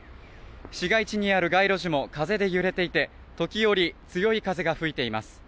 市街地にある街路樹も風で揺れていて時折強い風が吹いています